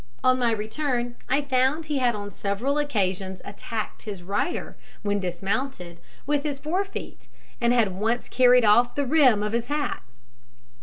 On my return, I found that he had on several occasions attacked his rider, when dismounted, with his fore feet, and had once carried off the rim of his hat.